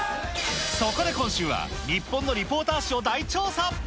そこで今週は、日本のリポーター史を大調査。